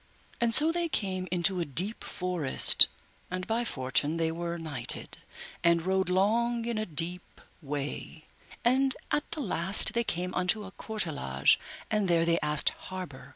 And so they came into a deep forest, and by fortune they were nighted, and rode long in a deep way, and at the last they came unto a courtelage, and there they asked harbour.